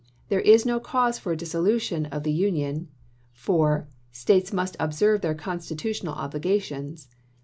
There is no cause for a dissolution of the Union. 4. States must observe their constitutional obli gations.